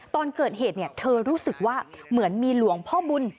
ตอนเกิดเหตุเธอรู้สึกว่าเหมือนมีหลวงพ่อบุญ